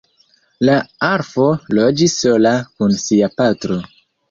La orfo loĝis sola kun sia patro.